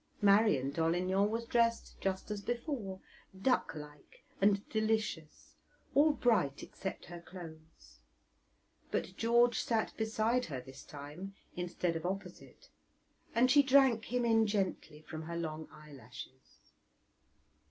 Marian Dolignan was dressed just as before duck like and delicious, all bright except her clothes; but George sat beside her this time instead of opposite, and she drank him in gently from her long eyelashes.